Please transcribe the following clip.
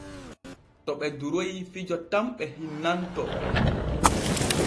To ɓe duroy fijo tan ɓe hinnantoo.